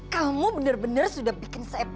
kamu bener bener sudah bikin saya marah